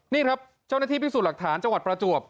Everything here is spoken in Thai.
นี่ครับเจ้าหน้าที่พิสูจน์หลักฐานจังหวัดประจวบ